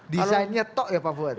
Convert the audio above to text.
desainnya tok ya pak fuad